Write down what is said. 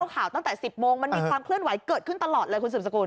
ข่าวตั้งแต่๑๐โมงมันมีความเคลื่อนไหวเกิดขึ้นตลอดเลยคุณสืบสกุล